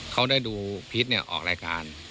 เขาได้ดูพิษเนี้ยออกรายการ